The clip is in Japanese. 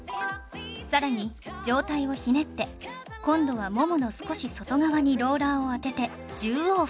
さらに上体をひねって今度はももの少し外側にローラーを当てて１０往復